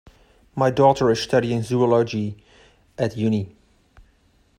My daughter is studying zoology at uni